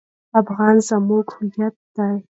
افغانۍ زموږ هویت دی.